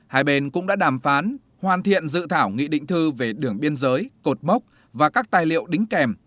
hai bên cũng đã đàm phán hoàn thiện dự thảo nghị định thư về đường biên giới cột mốc và các tài liệu đính kèm